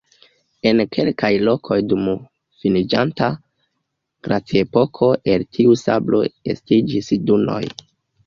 En kelkaj lokoj dum finiĝanta glaciepoko el tiu sablo estiĝis dunoj.